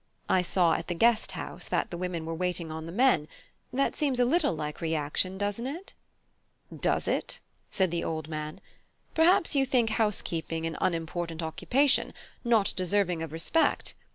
I saw at the Guest House that the women were waiting on the men: that seems a little like reaction doesn't it?" "Does it?" said the old man; "perhaps you think housekeeping an unimportant occupation, not deserving of respect.